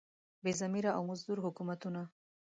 بې ضمیره او مزدور حکومتونه.